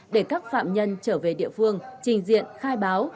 để các phạm nhân trở về địa phương trình diện khai báo